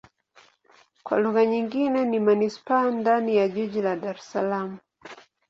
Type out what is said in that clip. Kwa lugha nyingine ni manisipaa ndani ya jiji la Dar Es Salaam.